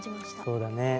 そうだね。